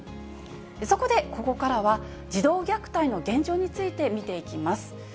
そこで、ここからは児童虐待の現状について見ていきます。